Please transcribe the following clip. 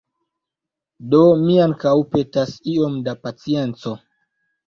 Do mi ankaŭ petas iom da pacienco.